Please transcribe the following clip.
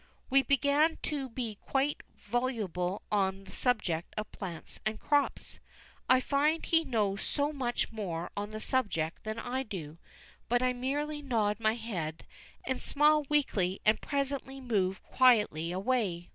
We begin to be quite voluble on the subject of plants and crops. I find he knows so much more on the subject than I do, but I merely nod my head and smile weakly and presently move quietly away.